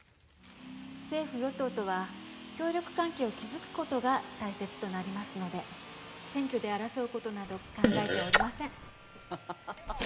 政府与党とは協力関係を築くことが大切となりますので選挙で争うことなど考えておりませんハハハハハ